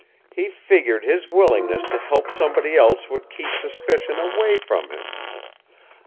He figured his willingness to help somebody else would keep suspicion away from him.